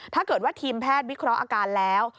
ถ้าเกิดว่าทีมแพทย์วิเคราะห์อาการแล้ว